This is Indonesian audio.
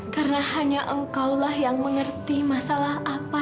karena hanya engkau yang mengerti masalah apa